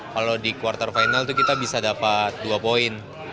kalau di kuartal final itu kita bisa dapat dua poin